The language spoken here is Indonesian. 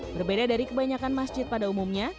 berbeda dari kebanyakan masjid pada umumnya